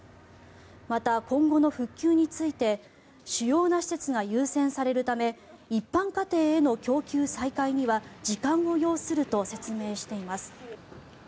また、今後の復旧について主要な施設が優先されるため一般家庭への供給再開には時間を要すると説明しています。